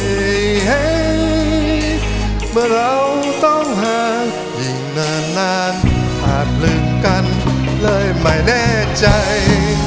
เมื่อเราต้องห่างอีกนานนานอาจลืมกันเลยไม่แน่ใจ